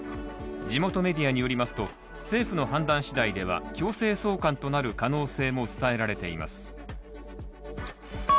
地元メディアによりますと、政府の判断次第では強制送還となる可能性も伝えられています。